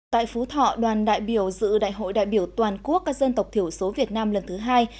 tại phú thọ đoàn đại biểu dự đại hội đại biểu toàn quốc các dân tộc thiểu số việt nam lần thứ hai